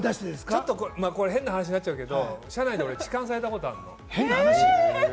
変な話になっちゃうけれども、車内で痴漢されたことあるの。